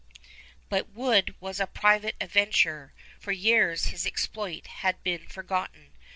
But Wood was a private adventurer. For years his exploit had been forgotten.